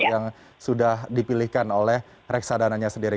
yang sudah dipilihkan oleh reksadananya sendiri